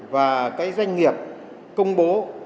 và cái doanh nghiệp công bố